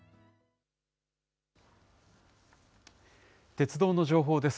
鉄道の情報です。